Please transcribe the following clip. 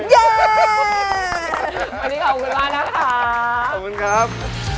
วันนี้ขอบคุณมากนะคะขอบคุณครับ